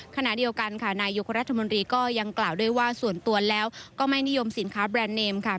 ขณะเดียวกันค่ะนายกรัฐมนตรีก็ยังกล่าวด้วยว่าส่วนตัวแล้วก็ไม่นิยมสินค้าแบรนด์เนมค่ะ